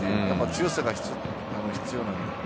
強さが必要なので。